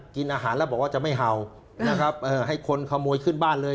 กินอาหารแล้วบอกว่าจะไม่เห่านะครับให้คนขโมยขึ้นบ้านเลย